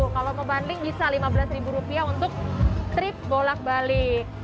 kalau mau bundling bisa lima belas ribu rupiah untuk trip bolak balik